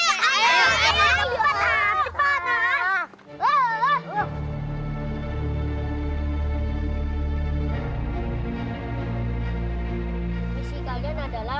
misi kalian adalah